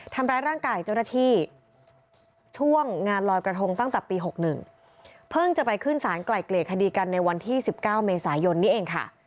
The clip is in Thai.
ทำร้ายร่างกายเจ้าหน้าที่ช่วงงานลอยกระทงตั้งแต่ปี๖๑เพิ่งจะไปขึ้นสารไกลเกลี่ยคดีกันในวันที่๑๙เมษายนนี้เองค่ะ